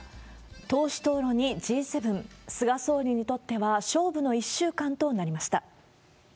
党首討論にＧ７、菅総理にとっては勝負の１週間となりました。